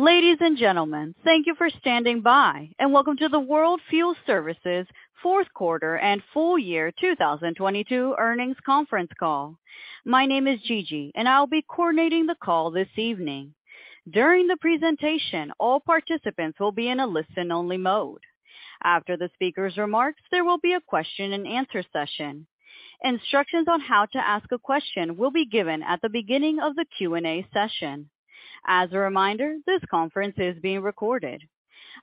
Ladies and gentlemen, thank you for standing by and welcome to the World Fuel Services fourth quarter and full year 2022 earnings conference call. My name is Gigi and I'll be coordinating the call this evening. During the presentation, all participants will be in a listen-only mode. After the speaker's remarks, there will be a question-and-answer session. Instructions on how to ask a question will be given at the beginning of the Q&A session. As a reminder, this conference is being recorded.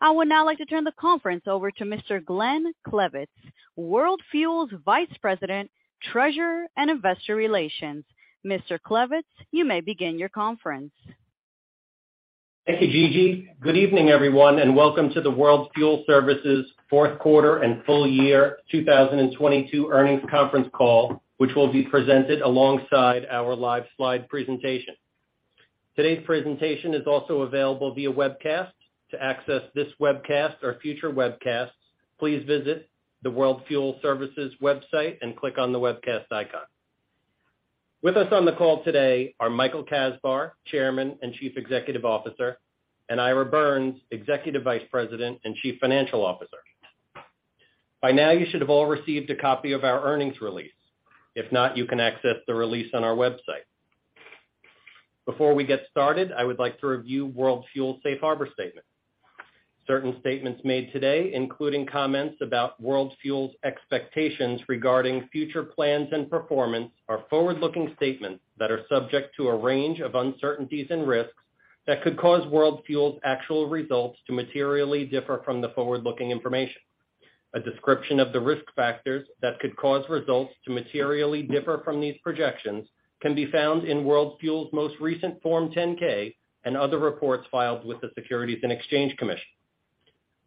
I would now like to turn the conference over to Mr. Glenn Klevitz, World Fuel's Vice President, Treasurer, and Investor Relations. Mr. Klevitz, you may begin your conference. Thank you, Gigi. Good evening, everyone, welcome to the World Fuel Services fourth quarter and full year 2022 earnings conference call, which will be presented alongside our live slide presentation. Today's presentation is also available via webcast. To access this webcast or future webcasts, please visit the World Fuel Services website and click on the webcast icon. With us on the call today are Michael Kasbar, Chairman and Chief Executive Officer, and Ira Birns, Executive Vice President and Chief Financial Officer. By now, you should have all received a copy of our earnings release. If not, you can access the release on our website. Before we get started, I would like to review World Fuel's safe harbor statement. Certain statements made today, including comments about World Fuel's expectations regarding future plans and performance, are forward-looking statements that are subject to a range of uncertainties and risks that could cause World Fuel's actual results to materially differ from the forward-looking information. A description of the risk factors that could cause results to materially differ from these projections can be found in World Fuel's most recent Form 10-K and other reports filed with the Securities and Exchange Commission.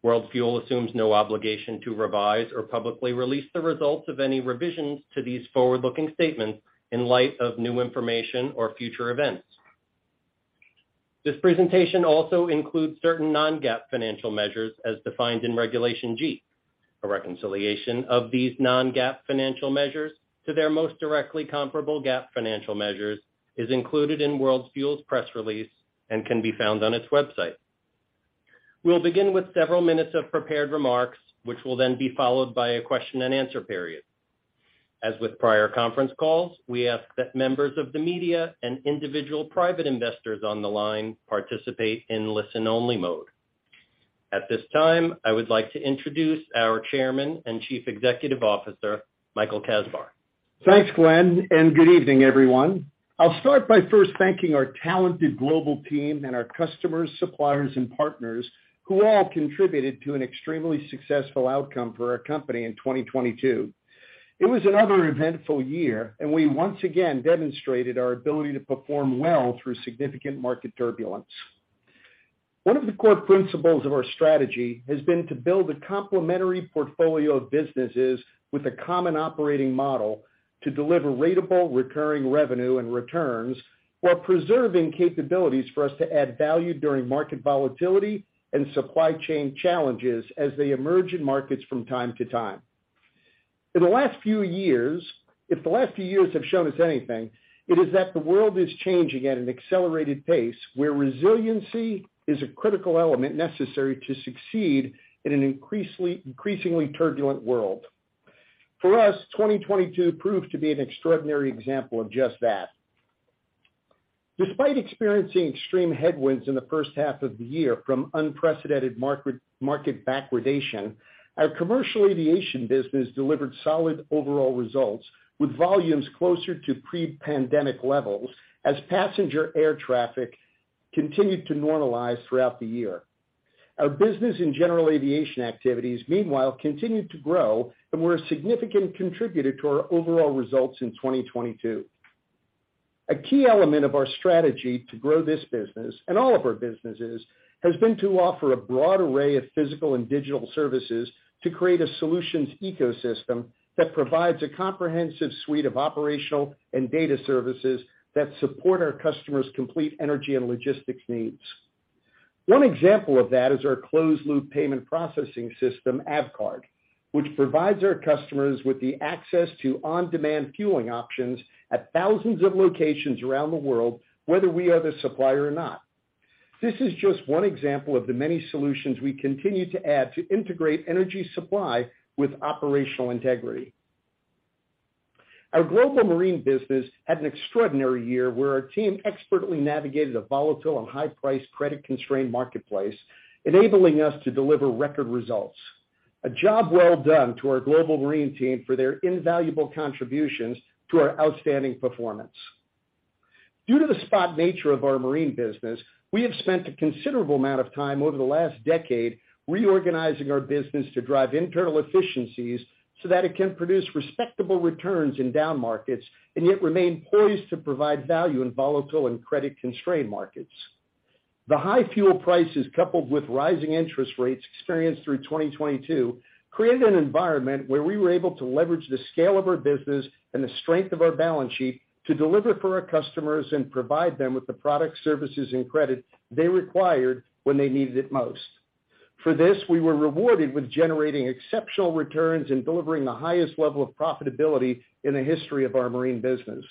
World Fuel assumes no obligation to revise or publicly release the results of any revisions to these forward-looking statements in light of new information or future events. This presentation also includes certain non-GAAP financial measures as defined in Regulation G. A reconciliation of these non-GAAP financial measures to their most directly comparable GAAP financial measures is included in World Fuel's press release and can be found on its website. We'll begin with several minutes of prepared remarks, which will then be followed by a question-and-answer period. As with prior conference calls, we ask that members of the media and individual private investors on the line participate in listen-only mode. At this time, I would like to introduce our Chairman and Chief Executive Officer, Michael Kasbar. Thanks, Glenn and good evening, everyone. I'll start by first thanking our talented global team and our customers, suppliers, and partners who all contributed to an extremely successful outcome for our company in 2022. It was another eventful year and we once again demonstrated our ability to perform well through significant market turbulence. One of the core principles of our strategy has been to build a complementary portfolio of businesses with a common operating model to deliver ratable recurring revenue and returns while preserving capabilities for us to add value during market volatility and supply chain challenges as they emerge in markets from time to time. If the last few years have shown us anything, it is that the world is changing at an accelerated pace where resiliency is a critical element necessary to succeed in an increasingly turbulent world. For us, 2022 proved to be an extraordinary example of just that. Despite experiencing extreme headwinds in the first half of the year from unprecedented market backwardation, our commercial aviation business delivered solid overall results with volumes closer to pre-pandemic levels as passenger air traffic continued to normalize throughout the year. Our business and general aviation activities, meanwhile, continued to grow and were a significant contributor to our overall results in 2022. A key element of our strategy to grow this business, and all of our businesses, has been to offer a broad array of physical and digital services to create a solutions ecosystem that provides a comprehensive suite of operational and data services that support our customers' complete energy and logistics needs. One example of that is our closed loop payment processing system, AVCARD, which provides our customers with the access to on-demand fueling options at thousands of locations around the world, whether we are the supplier or not. This is just one example of the many solutions we continue to add to integrate energy supply with operational integrity. Our global marine business had an extraordinary year where our team expertly navigated a volatile and high-priced credit-constrained marketplace, enabling us to deliver record results. A job well done to our global marine team for their invaluable contributions to our outstanding performance. Due to the spot nature of our marine business, we have spent a considerable amount of time over the last decade reorganizing our business to drive internal efficiencies so that it can produce respectable returns in down markets and yet remain poised to provide value in volatile and credit-constrained markets. The high fuel prices, coupled with rising interest rates experienced through 2022, created an environment where we were able to leverage the scale of our business and the strength of our balance sheet to deliver for our customers and provide them with the products, services, and credit they required when they needed it most. For this, we were rewarded with generating exceptional returns and delivering the highest level of profitability in the history of our marine business.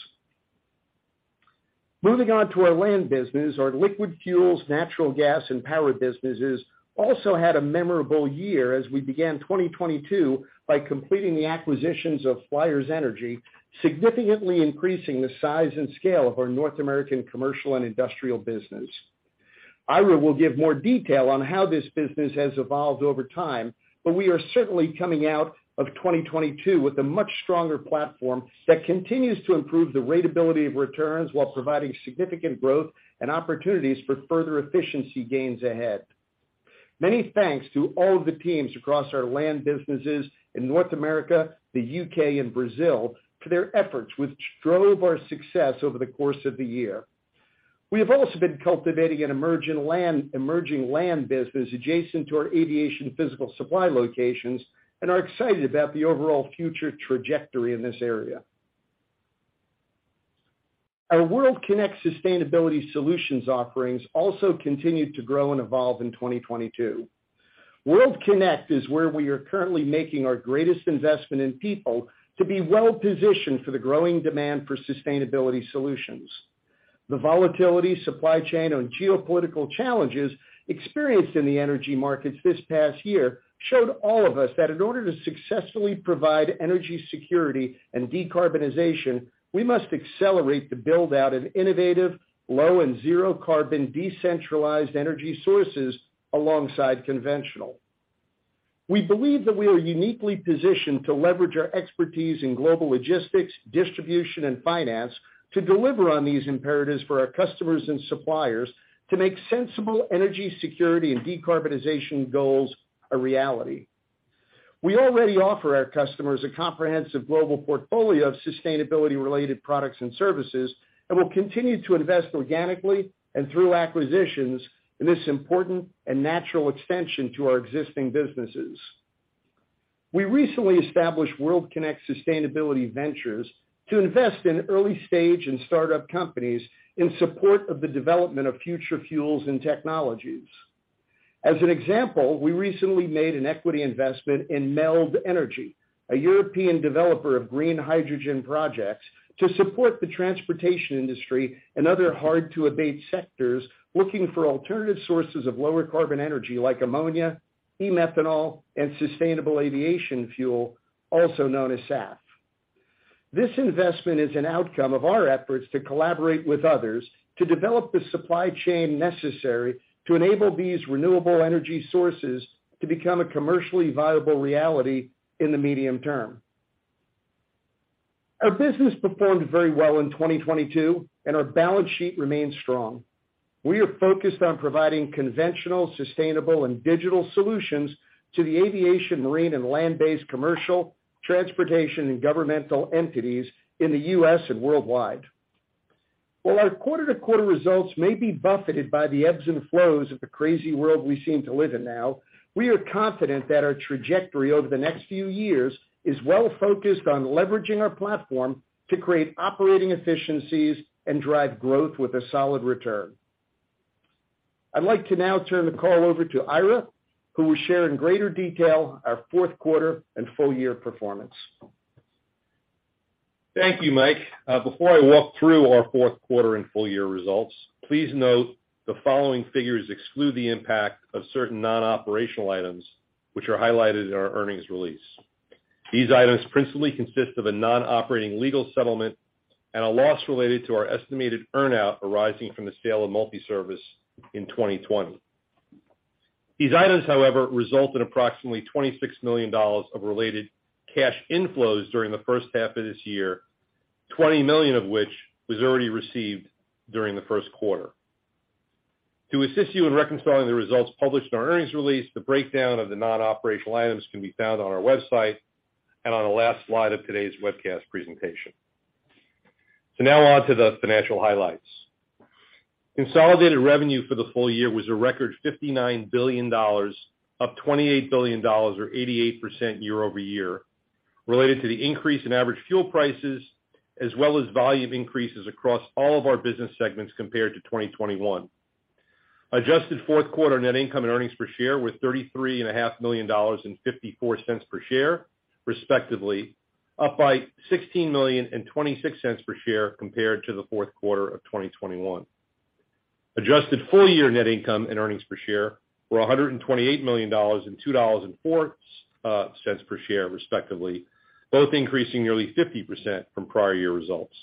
Moving on to our land business, our liquid fuels, natural gas, and power businesses also had a memorable year as we began 2022 by completing the acquisitions of Flyers Energy, significantly increasing the size and scale of our North American commercial and industrial business. Ira will give more detail on how this business has evolved over time, but we are certainly coming out of 2022 with a much stronger platform that continues to improve the ratability of returns while providing significant growth and opportunities for further efficiency gains ahead. Many thanks to all of the teams across our land businesses in North America, the U.K., and Brazil for their efforts which drove our success over the course of the year. We have also been cultivating an emerging land business adjacent to our aviation physical supply locations and are excited about the overall future trajectory in this area. Our World Kinect sustainability solutions offerings also continued to grow and evolve in 2022. World Kinect is where we are currently making our greatest investment in people to be well-positioned for the growing demand for sustainability solutions. The volatility, supply chain, and geopolitical challenges experienced in the energy markets this past year showed all of us that in order to successfully provide energy security and decarbonization, we must accelerate the build-out of innovative, low and zero carbon decentralized energy sources alongside conventional. We believe that we are uniquely positioned to leverage our expertise in global logistics, distribution, and finance to deliver on these imperatives for our customers and suppliers to make sensible energy security and decarbonization goals a reality. We already offer our customers a comprehensive global portfolio of sustainability-related products and services, and we'll continue to invest organically and through acquisitions in this important and natural extension to our existing businesses. We recently established World Kinect Sustainability Ventures to invest in early-stage and startup companies in support of the development of future fuels and technologies. As an example, we recently made an equity investment in Meld Energy, a European developer of green hydrogen projects, to support the transportation industry and other hard-to-abate sectors looking for alternative sources of lower carbon energy like ammonia, e-methanol, and sustainable aviation fuel, also known as SAF. This investment is an outcome of our efforts to collaborate with others to develop the supply chain necessary to enable these renewable energy sources to become a commercially viable reality in the medium term. Our business performed very well in 2022, and our balance sheet remains strong. We are focused on providing conventional, sustainable, and digital solutions to the aviation, marine, and land-based commercial, transportation, and governmental entities in the U.S. and worldwide. While our quarter-to-quarter results may be buffeted by the ebbs and flows of the crazy world we seem to live in now, we are confident that our trajectory over the next few years is well-focused on leveraging our platform to create operating efficiencies and drive growth with a solid return. I'd like to now turn the call over to Ira, who will share in greater detail our fourth quarter and full year performance. Thank you, Mike. Before I walk through our fourth quarter and full year results, please note the following figures exclude the impact of certain non-operational items which are highlighted in our earnings release. These items principally consist of a non-operating legal settlement and a loss related to our estimated earn-out arising from the sale of Multi Service in 2020. These items, however, result in approximately $26 million of related cash inflows during the first half of this year, $20 million of which was already received during the first quarter. To assist you in reconciling the results published in our earnings release, the breakdown of the non-operational items can be found on our website and on the last slide of today's webcast presentation. Now on to the financial highlights. Consolidated revenue for the full year was a record $59 billion, up $28 billion or 88% year-over-year, related to the increase in average fuel prices as well as volume increases across all of our business segments compared to 2021. Adjusted fourth quarter net income and earnings per share were $33.5 million and $0.54 per share, respectively, up by $16 million and $0.26 per share compared to the fourth quarter of 2021. Adjusted full year net income and earnings per share were $128 million and $2.04 per share, respectively, both increasing nearly 50% from prior year results.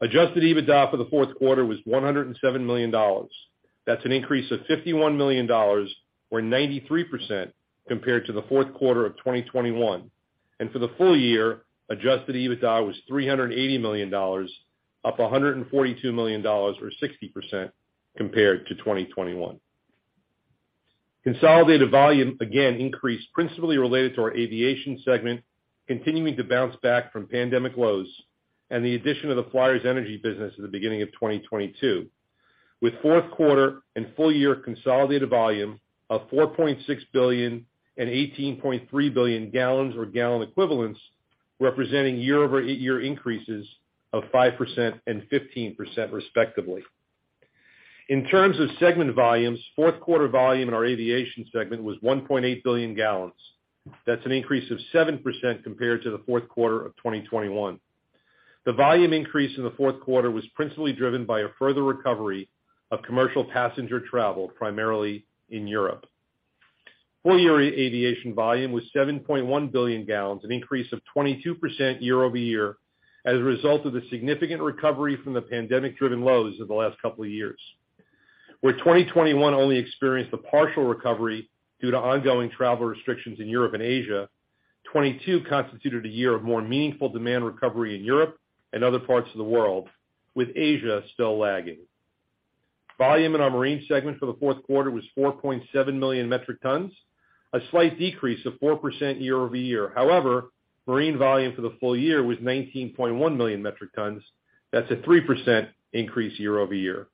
Adjusted EBITDA for the fourth quarter was $107 million. That's an increase of $51 million or 93% compared to the fourth quarter of 2021. For the full year, Adjusted EBITDA was $380 million, up $142 million or 60% compared to 2021. Consolidated volume again increased principally related to our aviation segment continuing to bounce back from pandemic lows and the addition of the Flyers Energy business at the beginning of 2022, with fourth quarter and full year consolidated volume of 4.6 billion and 18.3 billion gallons or gallon equivalents, representing year-over-year increases of 5% and 15% respectively. In terms of segment volumes, fourth quarter volume in our aviation segment was 1.8 billion gallons. That's an increase of 7% compared to the fourth quarter of 2021. The volume increase in the fourth quarter was principally driven by a further recovery of commercial passenger travel, primarily in Europe. Full year aviation volume was 7.1 billion gallons, an increase of 22% year-over-year as a result of the significant recovery from the pandemic-driven lows of the last couple of years. Where 2021 only experienced a partial recovery due to ongoing travel restrictions in Europe and Asia, 2022 constituted a year of more meaningful demand recovery in Europe and other parts of the world, with Asia still lagging. Volume in our marine segment for the fourth quarter was 4.7 million metric tons, a slight decrease of 4% year-over-year. However, marine volume for the full year was 19.1 million metric tons. That's a 3% increase year-over-year.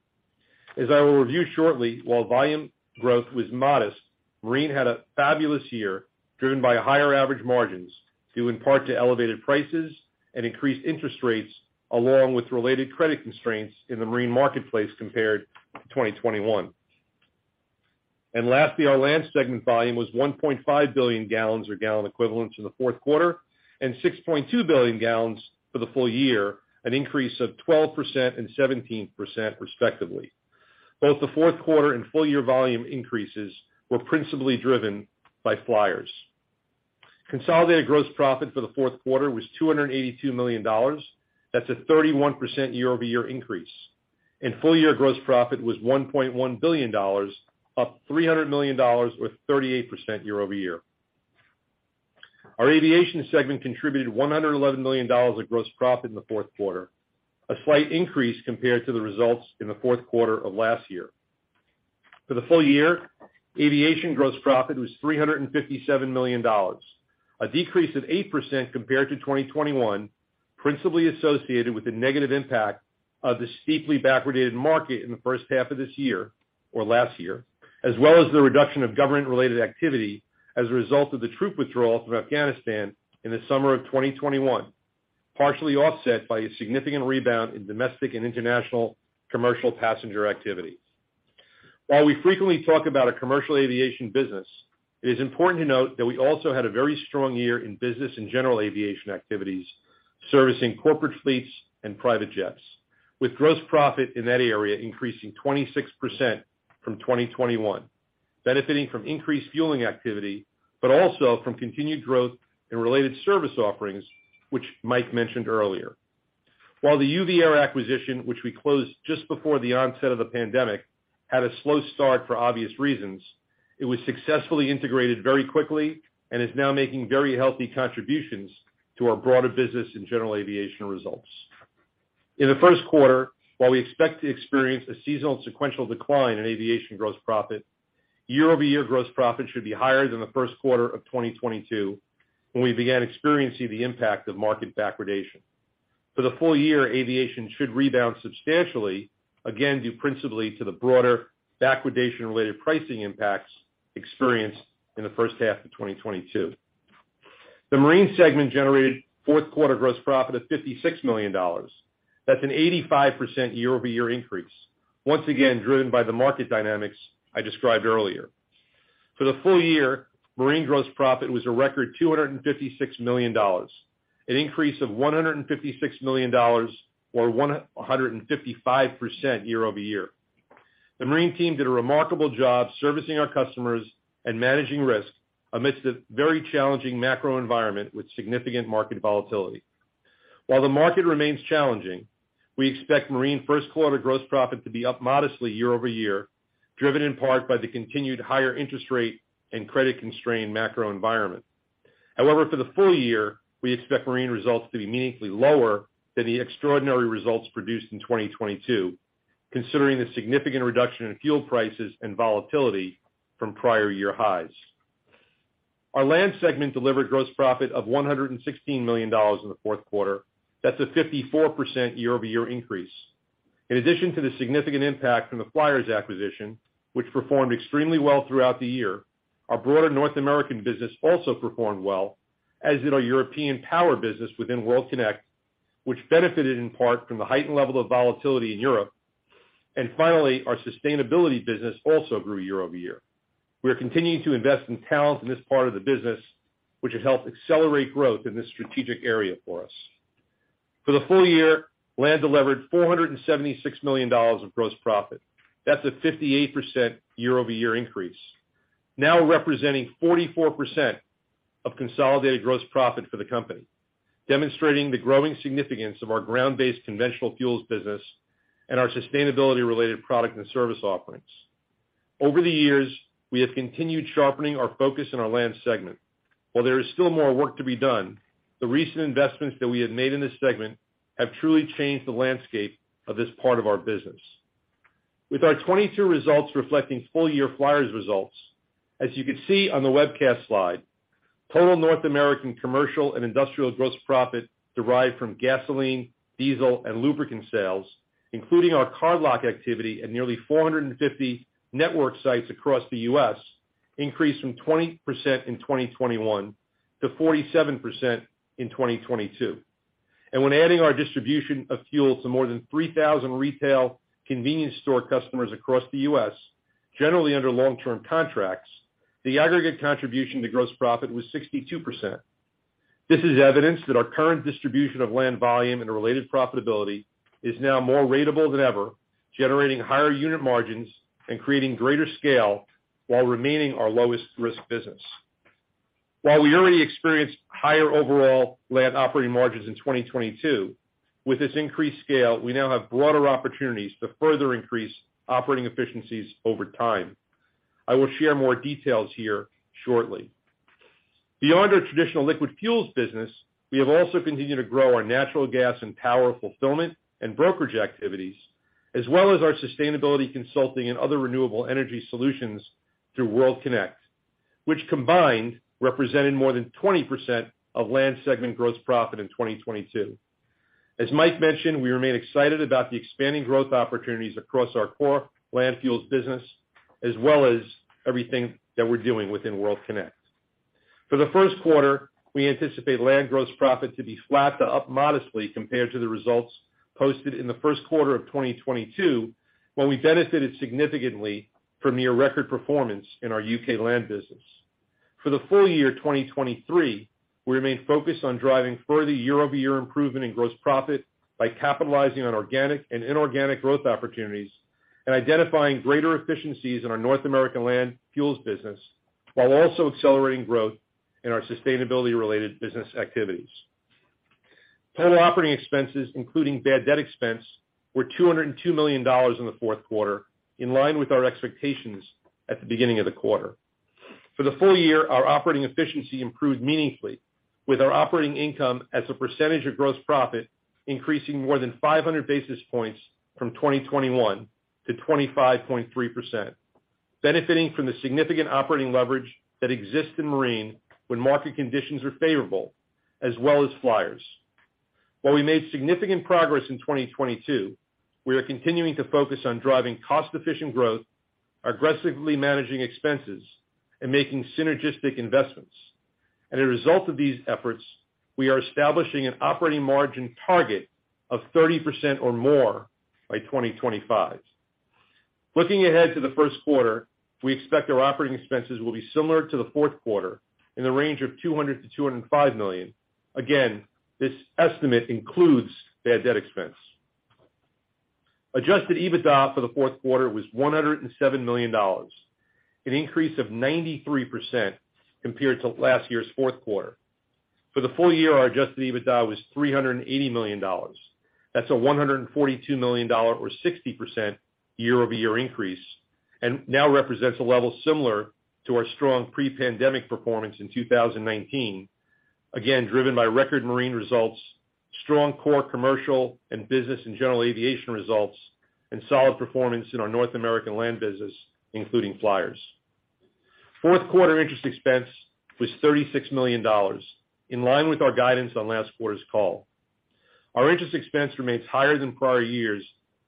As I will review shortly, while volume growth was modest, marine had a fabulous year, driven by higher average margins, due in part to elevated prices and increased interest rates, along with related credit constraints in the marine marketplace compared to 2021. Lastly, our land segment volume was 1.5 billion gallons or gallon equivalents in the fourth quarter, and 6.2 billion gallons for the full year, an increase of 12% and 17% respectively. Both the fourth quarter and full year volume increases were principally driven by Flyers. Consolidated gross profit for the fourth quarter was $282 million, that's a 31% year-over-year increase, and full year gross profit was $1.1 billion, up $300 million or 38% year-over-year. Our aviation segment contributed $111 million of gross profit in the fourth quarter, a slight increase compared to the results in the fourth quarter of last year. For the full year, aviation gross profit was $357 million, a decrease of 8% compared to 2021, principally associated with the negative impact of the steeply backwardated market in the first half of this year or last year, as well as the reduction of government-related activity as a result of the troop withdrawal from Afghanistan in the summer of 2021, partially offset by a significant rebound in domestic and international commercial passenger activity. While we frequently talk about a commercial aviation business, it is important to note that we also had a very strong year in business and general aviation activities, servicing corporate fleets and private jets, with gross profit in that area increasing 26% from 2021, benefiting from increased fueling activity, but also from continued growth in related service offerings, which Mike mentioned earlier. While the UVair acquisition, which we closed just before the onset of the pandemic, had a slow start for obvious reasons, it was successfully integrated very quickly and is now making very healthy contributions to our broader business and general aviation results. In the first quarter, while we expect to experience a seasonal sequential decline in aviation gross profit, year-over-year gross profit should be higher than the first quarter of 2022, when we began experiencing the impact of market backwardation. For the full year, aviation should rebound substantially, again, due principally to the broader backwardation-related pricing impacts experienced in the first half of 2022. The marine segment generated fourth quarter gross profit of $56 million. That's an 85% year-over-year increase, once again driven by the market dynamics I described earlier. For the full year, marine gross profit was a record $256 million, an increase of $156 million or 155% year-over-year. The marine team did a remarkable job servicing our customers and managing risk amidst a very challenging macro environment with significant market volatility. While the market remains challenging, we expect marine first quarter gross profit to be up modestly year-over-year, driven in part by the continued higher interest rate and credit-constrained macro environment. However, for the full year, we expect marine results to be meaningfully lower than the extraordinary results produced in 2022, considering the significant reduction in fuel prices and volatility from prior year highs. Our land segment delivered gross profit of $116 million in the fourth quarter. That's a 54% year-over-year increase. In addition to the significant impact from the Flyers acquisition, which performed extremely well throughout the year, our broader North American business also performed well, as did our European power business within World Kinect, which benefited in part from the heightened level of volatility in Europe. Finally, our sustainability business also grew year-over-year. We are continuing to invest in talent in this part of the business, which has helped accelerate growth in this strategic area for us. For the full year, land delivered $476 million of gross profit. That's a 58% year-over-year increase, now representing 44% of consolidated gross profit for the company, demonstrating the growing significance of our ground-based conventional fuels business and our sustainability-related product and service offerings. Over the years, we have continued sharpening our focus in our land segment. While there is still more work to be done, the recent investments that we have made in this segment have truly changed the landscape of this part of our business. With our 2022 results reflecting full-year Flyers results, as you can see on the webcast slide, total North American commercial and industrial gross profit derived from gasoline, diesel, and lubricant sales, including our cardlock activity at nearly 450 network sites across the U.S., increased from 20% in 2021 to 47% in 2022. When adding our distribution of fuel to more than 3,000 retail convenience store customers across the U.S., generally under long-term contracts, the aggregate contribution to gross profit was 62%. This is evidence that our current distribution of land volume and related profitability is now more ratable than ever, generating higher unit margins and creating greater scale while remaining our lowest risk business. While we already experienced higher overall land operating margins in 2022, with this increased scale, we now have broader opportunities to further increase operating efficiencies over time. I will share more details here shortly. Beyond our traditional liquid fuels business, we have also continued to grow our natural gas and power fulfillment and brokerage activities, as well as our sustainability consulting and other renewable energy solutions through World Kinect, which combined represented more than 20% of land segment gross profit in 2022. As Mike mentioned, we remain excited about the expanding growth opportunities across our core land fuels business as well as everything that we're doing within World Kinect. For the first quarter, we anticipate land gross profit to be flat to up modestly compared to the results posted in the first quarter of 2022, when we benefited significantly from near record performance in our U.K. land business. For the full year, 2023, we remain focused on driving further year-over-year improvement in gross profit by capitalizing on organic and inorganic growth opportunities and identifying greater efficiencies in our North American land fuels business while also accelerating growth in our sustainability-related business activities. Total operating expenses, including bad debt expense, were $202 million in the fourth quarter, in line with our expectations at the beginning of the quarter. For the full year, our operating efficiency improved meaningfully with our operating income as a percentage of gross profit, increasing more than 500 basis points from 2021 to 25.3%, benefiting from the significant operating leverage that exists in marine when market conditions are favorable as well as Flyers. While we made significant progress in 2022, we are continuing to focus on driving cost-efficient growth, aggressively managing expenses, and making synergistic investments. As a result of these efforts, we are establishing an operating margin target of 30% or more by 2025. Looking ahead to the first quarter, we expect our operating expenses will be similar to the fourth quarter in the range of $200 million-$205 million. Again, this estimate includes bad debt expense. Adjusted EBITDA for the fourth quarter was $107 million, an increase of 93% compared to last year's fourth quarter. For the full year, our Adjusted EBITDA was $380 million. That's a $142 million or 60% year-over-year increase and now represents a level similar to our strong pre-pandemic performance in 2019, again, driven by record marine results, strong core commercial and business and general aviation results, and solid performance in our North American land business, including Flyers. Fourth quarter interest expense was $36 million, in line with our guidance on last quarter's call. Our interest expense remains higher than prior years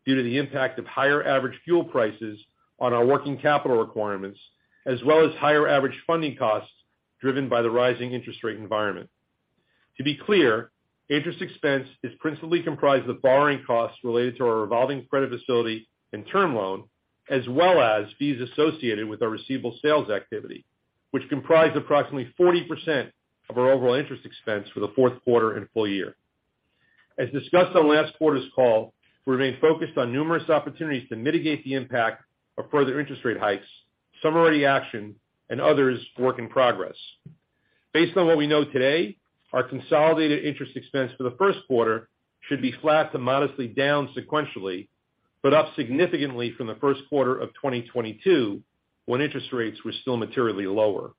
due to the impact of higher average fuel prices on our working capital requirements, as well as higher average funding costs driven by the rising interest rate environment. To be clear, interest expense is principally comprised of borrowing costs related to our revolving credit facility and term loan, as well as fees associated with our receivable sales activity, which comprised approximately 40% of our overall interest expense for the fourth quarter and full year. As discussed on last quarter's call, we remain focused on numerous opportunities to mitigate the impact of further interest rate hikes, some already actioned, and others work in progress. Based on what we know today, our consolidated interest expense for the first quarter should be flat to modestly down sequentially, but up significantly from the first quarter of 2022, when interest rates were still materially lower.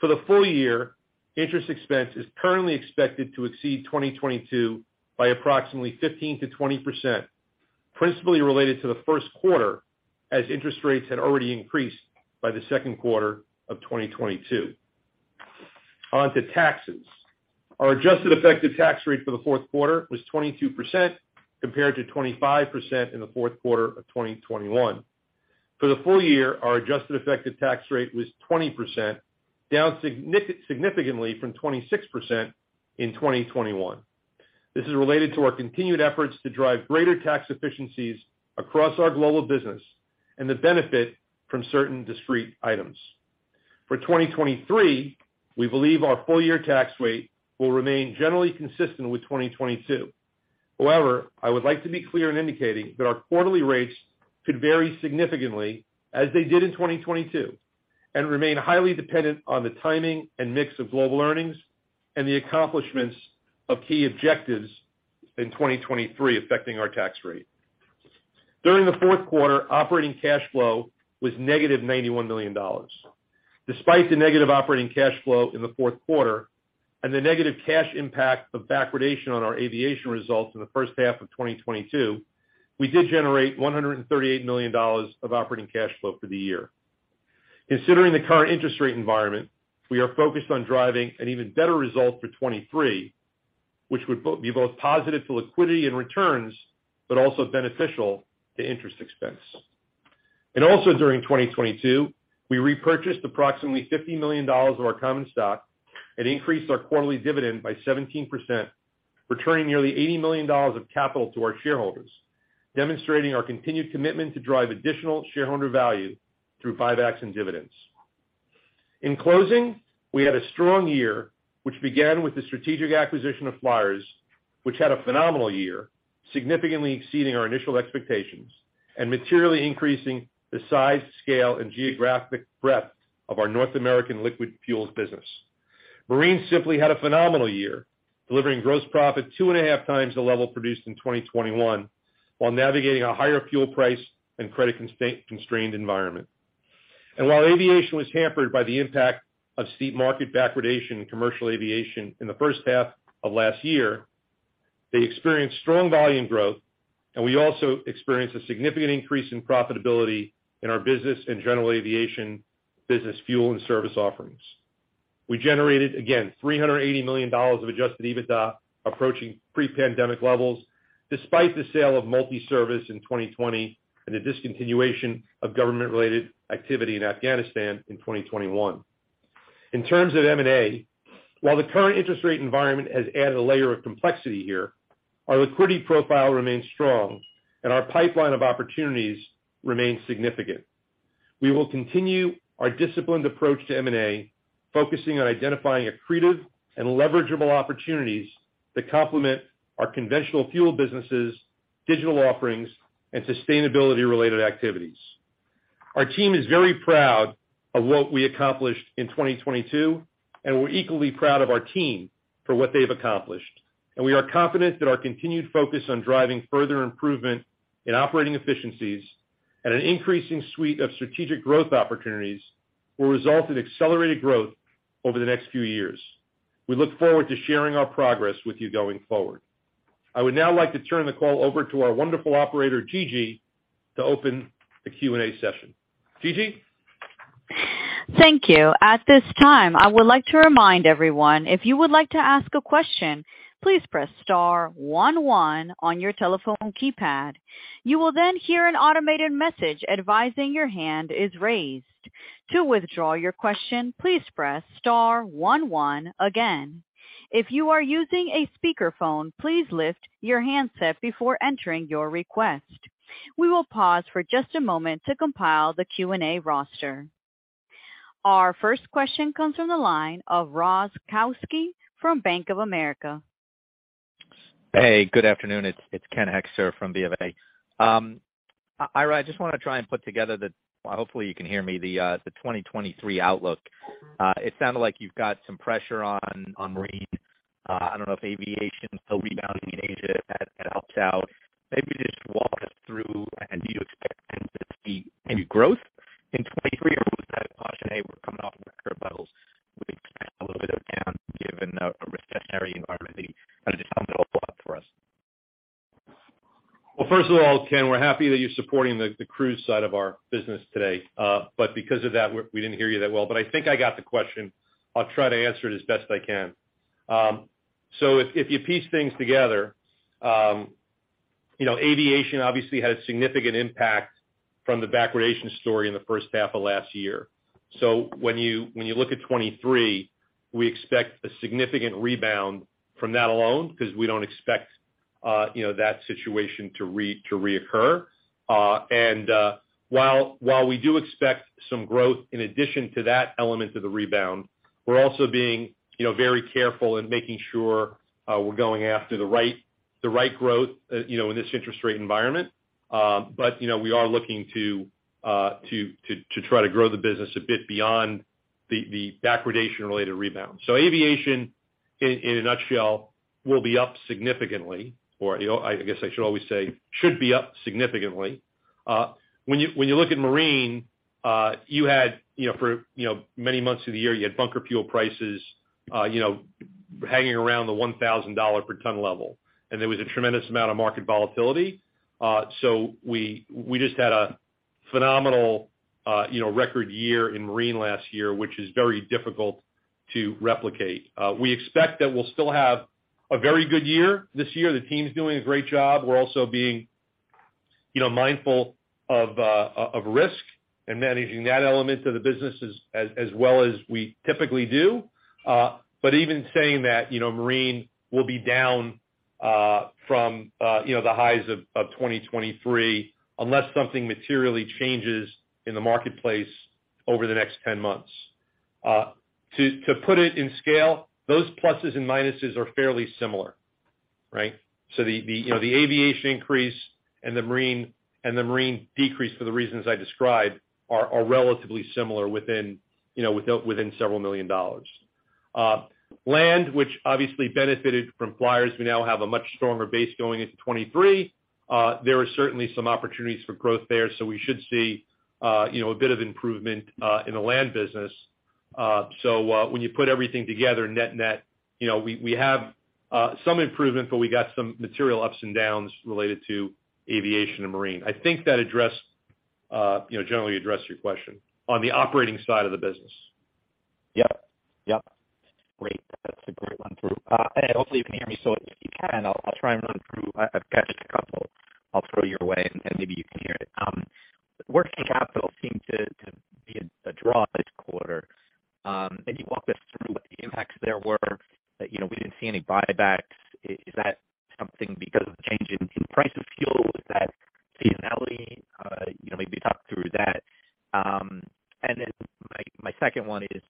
For the full year, interest expense is currently expected to exceed 2022 by approximately 15%-20%, principally related to the first quarter as interest rates had already increased by the second quarter of 2022. On to taxes, our adjusted effective tax rate for the fourth quarter was 22% compared to 25% in the fourth quarter of 2021. For the full year, our adjusted effective tax rate was 20%, down significantly from 26% in 2021. This is related to our continued efforts to drive greater tax efficiencies across our global business and the benefit from certain discrete items. For 2023, we believe our full year tax rate will remain generally consistent with 2022. However, I would like to be clear in indicating that our quarterly rates could vary significantly as they did in 2022 and remain highly dependent on the timing and mix of global earnings and the accomplishments of key objectives in 2023 affecting our tax rate. During the fourth quarter, operating cash flow was negative $91 million. Despite the negative operating cash flow in the fourth quarter and the negative cash impact of backwardation on our aviation results in the first half of 2022, we did generate $138 million of operating cash flow for the year. Considering the current interest rate environment, we are focused on driving an even better result for 2023 which would be both positive to liquidity and returns, but also beneficial to interest expense. Also, during 2022, we repurchased approximately $50 million of our common stock and increased our quarterly dividend by 17%, returning nearly $80 million of capital to our shareholders, demonstrating our continued commitment to drive additional shareholder value through buybacks and dividends. In closing, we had a strong year, which began with the strategic acquisition of Flyers, which had a phenomenal year, significantly exceeding our initial expectations and materially increasing the size, scale, and geographic breadth of our North American liquid fuels business. Marine simply had a phenomenal year, delivering gross profit two and a half times the level produced in 2021, while navigating a higher fuel price and credit constrained environment. While aviation was hampered by the impact of steep market backwardation in commercial aviation in the first half of last year, they experienced strong volume growth, and we also experienced a significant increase in profitability in our business and general aviation business fuel and service offerings. We generated, again, $380 million of Adjusted EBITDA approaching pre-pandemic levels, despite the sale of Multi-Service in 2020 and the discontinuation of government-related activity in Afghanistan in 2021. In terms of M&A, while the current interest rate environment has added a layer of complexity here, our liquidity profile remains strong and our pipeline of opportunities remains significant. We will continue our disciplined approach to M&A, focusing on identifying accretive and leverageable opportunities that complement our conventional fuel businesses, digital offerings, and sustainability-related activities. Our team is very proud of what we accomplished in 2022, and we're equally proud of our team for what they've accomplished. We are confident that our continued focus on driving further improvement in operating efficiencies and an increasing suite of strategic growth opportunities will result in accelerated growth over the next few years. We look forward to sharing our progress with you going forward. I would now like to turn the call over to our wonderful operator, Gigi, to open the Q&A session. Gigi? Thank you. At this time, I would like to remind everyone, if you would like to ask a question, please press star one one on your telephone keypad. You will then hear an automated message advising your hand is raised. To withdraw your question, please press star one one again. If you are using a speakerphone, please lift your handset before entering your request. We will pause for just a moment to compile the Q&A roster. Our first question comes from the line of Ken Hoexter from Bank of America. Hey, good afternoon. It's Ken Hoexter from BofA. Ira, I just wanna try and put together the, hopefully you can hear me, the 2023 outlook. It sounded like you've got some pressure on marine. I don't know if aviation will rebound in Asia. That helps out. Maybe just walk us through and do you expect then to see any growth in 2023 or was that caution, A, we're coming off record levels. We expect a little bit of down given a recessionary environment. Kind of just sum it all up for us. Well, first of all, Ken, we're happy that you're supporting the cruise side of our business today. Because of that, we didn't hear you that well, but I think I got the question. I'll try to answer it as best I can. If you piece things together, you know, aviation obviously had a significant impact from the backwardation story in the first half of last year. When you look at 2023, we expect a significant rebound from that alone because we don't expect, you know, that situation to reoccur. While we do expect some growth in addition to that element of the rebound, we're also being, you know, very careful in making sure, we're going after the right growth, you know, in this interest rate environment. But, you know, we are looking to try to grow the business a bit beyond the backwardation-related rebound. So aviation in a nutshell, will be up significantly, or, you know, I guess I should always say, should be up significantly. When you look at marine, you had for many months of the year, you had bunker fuel prices hanging around the $1,000 per ton level and there was a tremendous amount of market volatility. So we just had a phenomenal, you know, record year in marine last year, which is very difficult to replicate. We expect that we'll still have a very good year this year. The team's doing a great job. We're also being, you know, mindful of risk and managing that element of the business as well as we typically do. But even saying that, you know, marine will be down from, you know, the highs of 2023 unless something materially changes in the marketplace over the next 10 months. To put it in scale, those pluses and minuses are fairly similar, right? So the, you know, the aviation increase and the marine decrease for the reasons I described are relatively similar within, you know, dealt several million dollars. Land, which obviously benefited from Flyers, we now have a much stronger base going into 2023. There are certainly some opportunities for growth there, so we should see, you know, a bit of improvement in the land business. When you put everything together net net, you know, we have some improvement, but we got some material ups and downs related to aviation and marine. I think that addressed. You know, generally address your question on the operating side of the business. Yep. Yep. Great. That's a great run through. Also you can hear me, so if you can, I'll try and run through. I've got just a couple I'll throw your way, maybe you can hear it. Working capital seemed to be a draw this quarter. Can you walk us through what the impacts there were? You know, we didn't see any buybacks. Is that something because of the change in price of fuel? Is that seasonality? You know, maybe talk through that. Then my second one is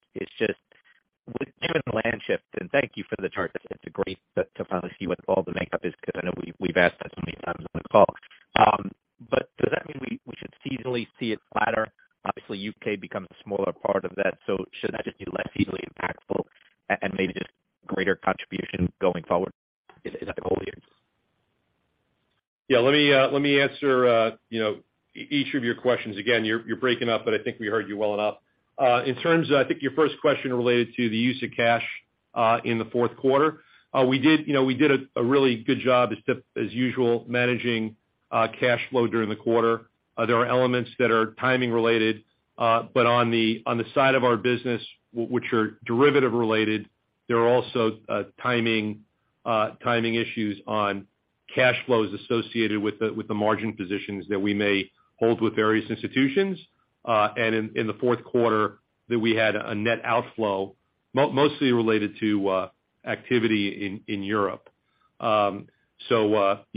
just with given the land shift, thank you for the chart, that it's a great to finally see what all the makeup is, because I know we've asked that so many times on the call. Does that mean we should seasonally see it flatter? Obviously U.K. becomes a smaller part of that, so should that just be less seasonally impactful and maybe just greater contribution going forward as a whole unit? Yeah, let me, let me answer, you know, each of your questions. Again, you're breaking up, but I think we heard you well enough. In terms of, I think your first question related to the use of cash, in the fourth quarter. We did, you know, we did a really good job as usual, managing cash flow during the quarter. There are elements that are timing related, but on the, on the side of our business, which are derivative related, there are also timing issues on cash flows associated with the, with the margin positions that we may hold with various institutions. And in the fourth quarter that we had a net outflow mostly related to activity in Europe. You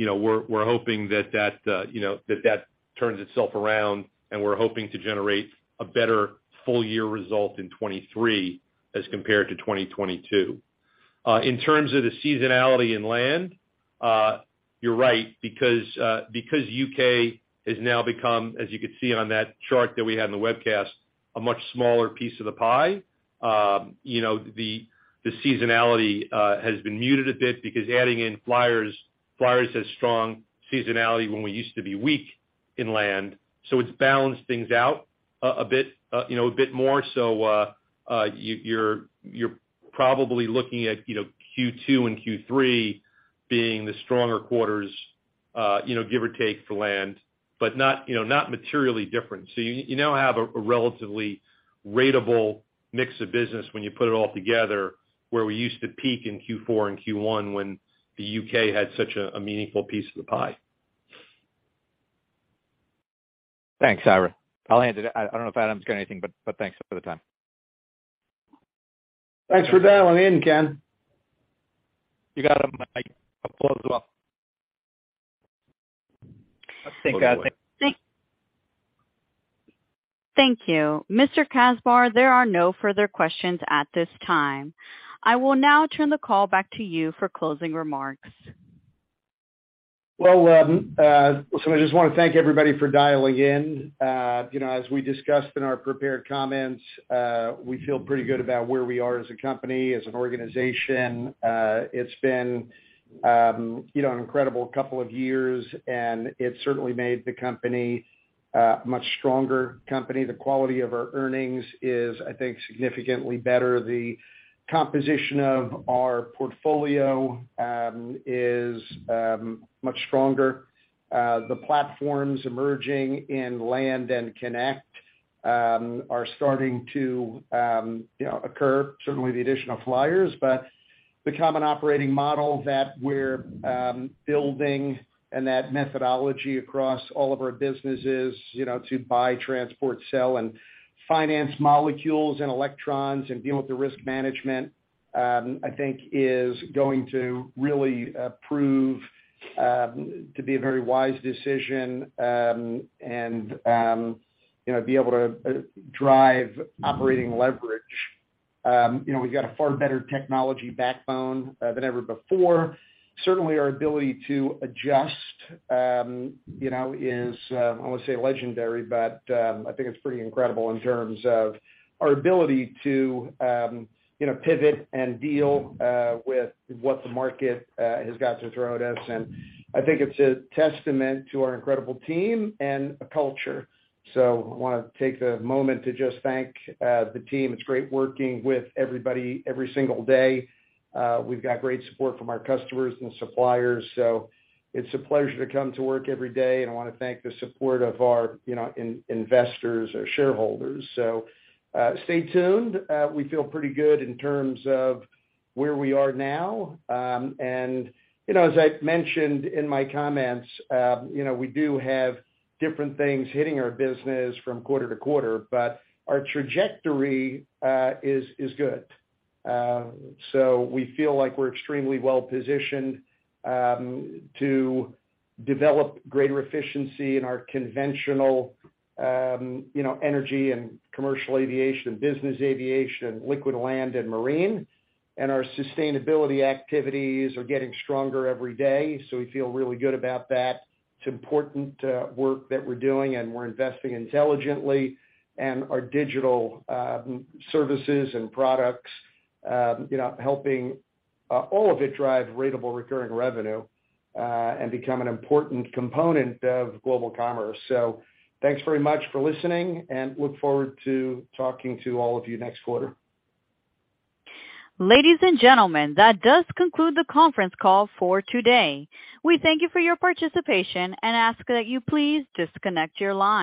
know, we're hoping that, you know, that turns itself around and we're hoping to generate a better full year result in 2023 as compared to 2022. In terms of the seasonality in land, you're right, because U.K. has now become, as you can see on that chart that we had in the webcast, a much smaller piece of the pie, you know, the seasonality has been muted a bit because adding in Flyers has strong seasonality when we used to be weak in land. It's balanced things out a bit, you know, a bit more so, you're probably looking at, you know, Q2 and Q3 being the stronger quarters, you know, give or take for land, but not, you know, not materially different. You now have a relatively ratable mix of business when you put it all together, where we used to peak in Q4 and Q1 when the U.K. had such a meaningful piece of the pie. Thanks, Ira. I will end it. I don't know if I got anything, but thanks for the time. Thanks for dialing in, Ken. You got a mic as well. I think. Thank you. Mr. Kasbar, there are no further questions at this time. I will now turn the call back to you for closing remarks. Well, I just wanna thank everybody for dialing in. You know, as we discussed in our prepared comments, we feel pretty good about where we are as a company, as an organization. It's been, you know, an incredible couple of years, and it certainly made the company a much stronger company. The quality of our earnings is, I think, significantly better. The composition of our portfolio is much stronger. The platforms emerging in land and Kinect are starting to, you know, occur, certainly the addition of Flyers. The common operating model that we're building and that methodology across all of our businesses, you know, to buy, transport, sell, and finance molecules and electrons and deal with the risk management, I think is going to really prove to be a very wise decision and, you know, be able to drive operating leverage. You know, we've got a far better technology backbone than ever before. Certainly, our ability to adjust, you know, is I don't wanna say legendary, but I think it's pretty incredible in terms of our ability to, you know, pivot and deal with what the market has got to throw at us. I think it's a testament to our incredible team and culture. I wanna take a moment to just thank the team. It's great working with everybody every single day. We've got great support from our customers and suppliers, so it's a pleasure to come to work every day. I wanna thank the support of our, you know, investors or shareholders. So stay tuned. We feel pretty good in terms of where we are now. You know, as I mentioned in my comments, you know, we do have different things hitting our business from quarter to quarter, but our trajectory is good. We feel like we're extremely well-positioned to develop greater efficiency in our conventional, you know, energy and commercial aviation, business aviation, liquid land and marine. Our sustainability activities are getting stronger every day, so we feel really good about that. It's important work that we're doing and we're investing intelligently. Our digital services and products, you know, helping all of it drive ratable recurring revenue, and become an important component of global commerce. Thanks very much for listening, and look forward to talking to all of you next quarter. Ladies and gentlemen, that does conclude the conference call for today. We thank you for your participation and ask that you please disconnect your lines.